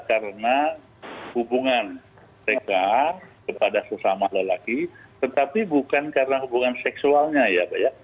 karena hubungan mereka kepada sesama lelaki tetapi bukan karena hubungan seksualnya ya pak ya